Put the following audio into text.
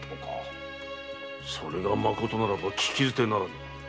それがまことならば聞き捨てならぬ。